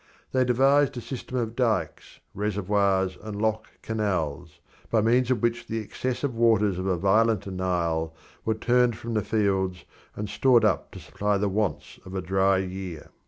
They devised a system of dikes, reservoirs, and lock canals, by means of which the excessive waters of a violent Nile were turned from the fields and stored up to supply the wants of a dry year.